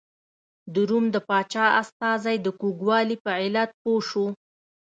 د روم د پاچا استازی د کوږوالي په علت پوه شو.